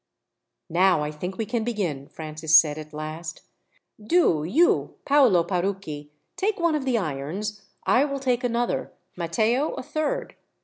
"Now I think we can begin," Francis said, at last. "Do you, Paolo Parucchi, take one of the irons, I will take another, Matteo a third.